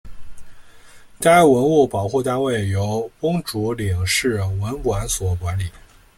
该文物保护单位由公主岭市文管所管理。